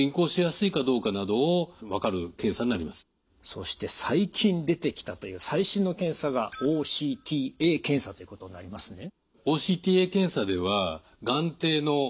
そして最近出てきたという最新の検査がＯＣＴＡ検査ということになりますね。